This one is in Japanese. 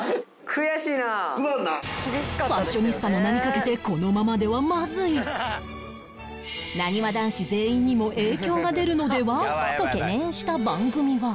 ファッショニスタの名にかけてなにわ男子全員にも影響が出るのでは？と懸念した番組は